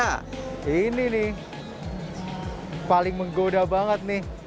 nah ini nih paling menggoda banget nih